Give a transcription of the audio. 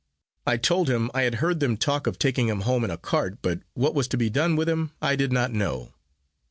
I told him I had heard them talk of taking him home in a cart, but what was to be done with him I did not know.